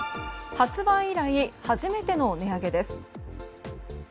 発売以来、初めての値上げです。